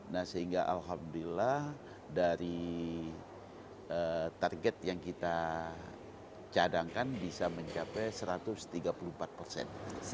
nah sehingga alhamdulillah dari target yang kita cadangkan bisa mencapai satu ratus tiga puluh empat persen